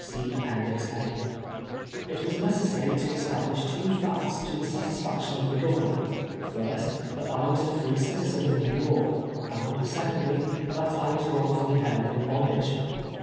'■'" It was necessary to establish two facts to the satis faction of tlie Governor : First, that I was a free citi zen of Xew York ; and secondly, that I was wrong fully held in bondage.